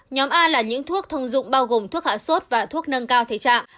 nhóm a là những thuốc thông dụng bao gồm thuốc hạ sốt và thuốc nâng cao thể trạng